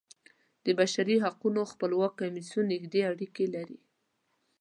د بشري حقونو خپلواک کمیسیون نږدې اړیکې لري.